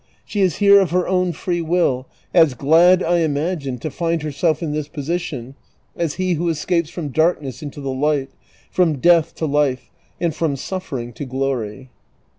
She is here of her own free will, as glad, I imagine, to find herself in this position as he who escapes frt^ni darkness into the light, from death to life, and from suffering to glory."